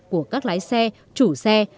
của các lái xe chủ xe